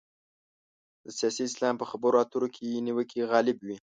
د سیاسي اسلام په خبرو اترو کې نیوکې غالب وي.